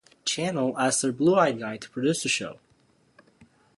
Channel asks their blue-eyed guy to produce the show.